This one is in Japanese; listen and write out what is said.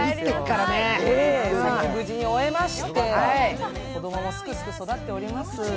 無事に出産を終えまして子供もすくすく育っております。